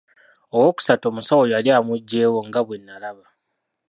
Ow'okusatu, omusawo yali amuggyeewo, nga bwe nalaba.